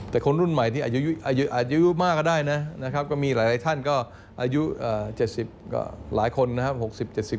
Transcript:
แต่คนรุ่นใหม่ที่อายุมากก็ได้นะครับก็มีหลายท่านก็อายุ๗๐ก็หลายคนนะครับ